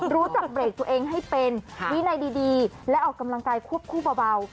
รู้จักเบรกตัวเองให้เป็นวินัยดีและออกกำลังกายควบคู่เบา